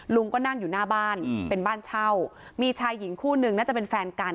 ลุงก็นั่งอยู่หน้าบ้านเป็นบ้านเช่ามีชายหญิงคู่นึงน่าจะเป็นแฟนกัน